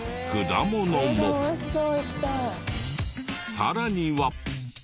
さらには！